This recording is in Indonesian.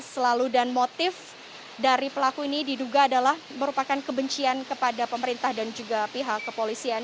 selalu dan motif dari pelaku ini diduga adalah merupakan kebencian kepada pemerintah dan juga pihak kepolisian